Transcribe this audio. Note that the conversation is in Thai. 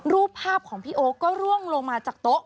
รูปภาพของพี่โอ๊คก็ร่วงลงมาจากโต๊ะ